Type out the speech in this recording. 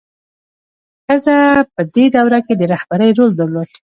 ښځه په دې دوره کې د رهبرۍ رول درلود.